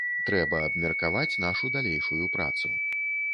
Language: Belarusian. Трэба абмеркаваць нашу далейшую працу.